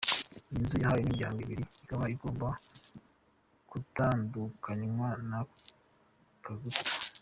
Iyi nzu yahawe imiryango ibiri ikaba igomba gutandukanywa n’ako gakuta.